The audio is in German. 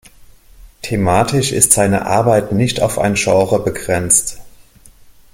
Thematisch ist seine Arbeit nicht auf ein Genre begrenzt.